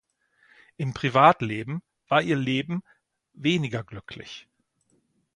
Im Privatleben war ihr Leben weniger glücklich.